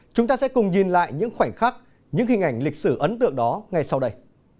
chúng ta sẽ cùng nhìn lại những khoảnh khắc những hình ảnh lịch sử ấn tượng đó ngay sau đây